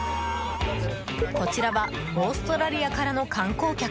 こちらはオーストラリアからの観光客。